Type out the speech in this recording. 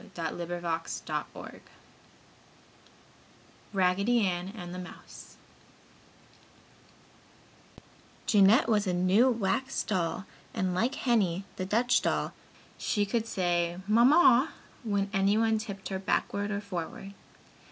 RAGGEDY ANN AND THE MOUSE Jeanette was a new wax doll, and like Henny, the Dutch doll, she could say "Mamma" when anyone tipped her backward or forward.